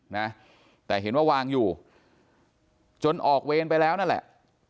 นะแต่เห็นว่าวางอยู่จนออกเวรไปแล้วนั่นแหละ